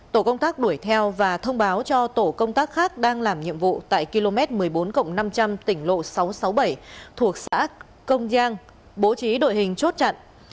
tổ công tác đuổi theo và thông báo cho tổ công tác khác đang làm nhiệm vụ tại km một mươi bốn năm trăm linh tỉnh lộ sáu trăm sáu mươi bảy thuộc xã công giang bố trí đội hình chốt chặn